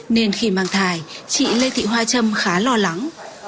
nên khi mang thai chị lê thị hoa trâm khá lo lắng